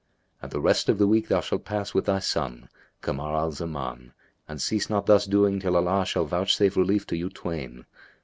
And the rest of the week thou shalt pass with thy son, Kamar al Zaman, and cease not thus doing till Allah shall vouchsafe relief to you twain.